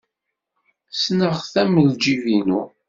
Ssneɣ-t am ljib-inu.